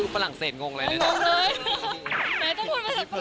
ปรังเศสงงเลยนะ